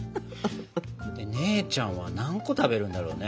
姉ちゃんは何個食べるんだろうね。